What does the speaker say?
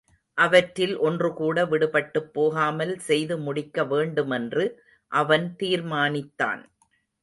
அவற்றில் ஒன்றுகூட விடுபட்டுப் போகாமல் செய்து முடிக்க வேண்டுமென்று அவன் தீர்மானித்தான்.